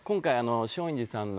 松陰寺さん